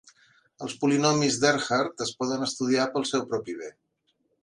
Els polinomis d'Ehrhart es poden estudiar pel seu propi bé.